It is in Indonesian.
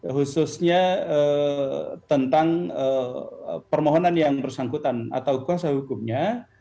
khususnya tentang permohonan yang bersangkutan atau kuasa hukumnya